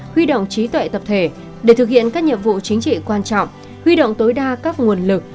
huy động trí tuệ tập thể để thực hiện các nhiệm vụ chính trị quan trọng huy động tối đa các nguồn lực